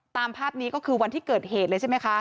ตามภาพนี้ก็คือวันที่เกิดเหตุเลยใช่ไหมคะ